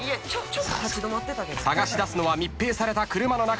捜し出すのは密閉された車の中です。